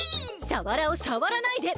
サワラをさわらないで！